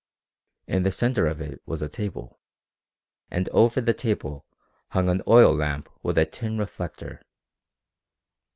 In the centre of it was a table, and over the table hung an oil lamp with a tin reflector.